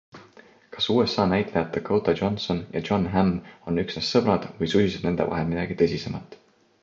Kas USA näitlejad Dakota Johnson ja Jon Hamm on üksnes sõbrad või susiseb nende vahel midagi tõsisemat?